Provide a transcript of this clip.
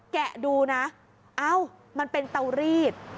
แกะดูนะเอ้ามันเป็นเตารีด